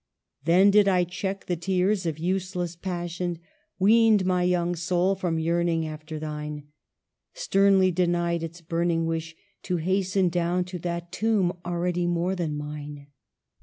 " Then did I check the tears of useless passion — Weaned my young soul from yearning after thine ; Sternly denied its burning wish to hasten Down to that tomb already more than mine.